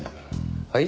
はい？